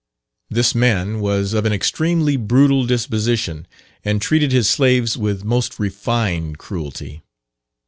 This man was of an extremely brutal disposition, and treated his slaves with most refined cruelty.